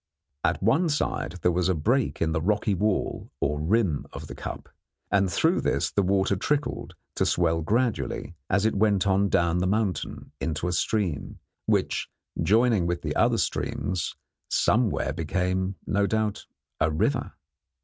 At one side there was a break in the rocky wall or rim of the cup, and through this the water trickled, to swell gradually, as it went on down the mountain, into a stream, which, joining with other streams, somewhere became, no doubt, a river.